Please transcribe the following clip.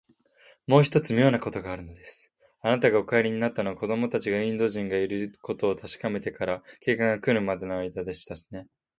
もう一つ、みょうなことがあるのですよ。あなたがお帰りになったのは、子どもたちがインド人がいることをたしかめてから、警官がくるまでのあいだでしたね。